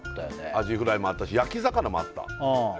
アジフライもあったし焼き魚もあった